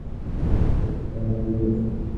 এসব সত্য না, জিগি।